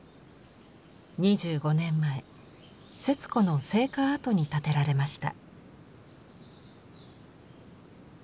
２５年前節子の生家跡に建てられました。